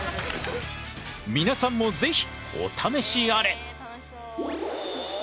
皆さんも是非お試しあれ。